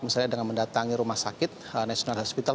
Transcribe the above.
misalnya dengan mendatangi rumah sakit national hospital